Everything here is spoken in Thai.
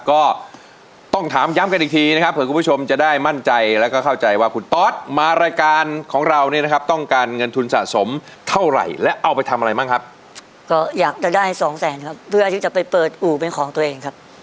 ก็อยากจะได้สองแสนครับเพื่อจะไปเปิดอู่เป็นของตัวเองครับ